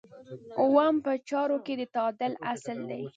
اووم په چارو کې د تعادل اصل دی.